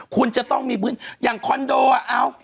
คุณจะต้องมีพื้นอย่างคอนโดอ่ะ